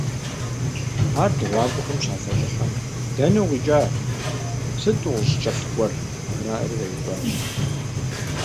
Ар дыгъуакӀуэхэм щалъэщӀыхьэм: - Дэнэ укъикӀа? сыт укъыщӀыткӀэлъыкӀуэр? – жаӀэри къеупщӀащ.